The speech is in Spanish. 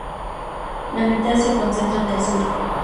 La mitad se concentra en el sur.